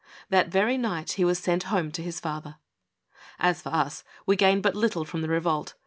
That very night he was sent home to his father. As for us, we gained but little from the revolt.